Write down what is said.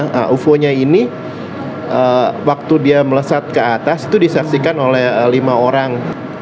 nah ufo nya ini waktu dia melesat ke atas itu disaksikan oleh lima orang